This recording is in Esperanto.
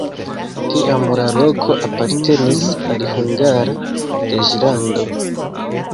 Tiam la loko apartenis al Hungara reĝlando.